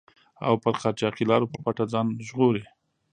او پر قاچاقي لارو په پټه ځان ژغوري.